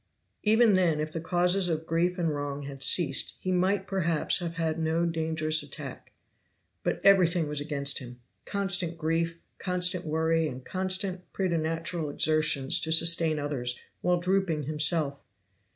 Even then if the causes of grief and wrong had ceased he might perhaps have had no dangerous attack. But everything was against him; constant grief, constant worry and constant preternatural exertions to sustain others while drooping himself.